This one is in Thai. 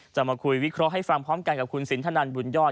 มาคุยวิเคราะห์ให้ฟังพร้อมกันกับคุณสินทนันบุญยอด